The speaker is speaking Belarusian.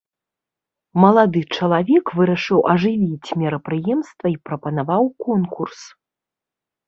Малады чалавек вырашыў ажывіць мерапрыемства і прапанаваў конкурс.